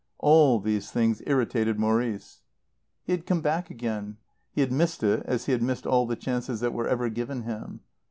All these things irritated Maurice. He had come back again. He had missed it, as he had missed all the chances that were ever given him.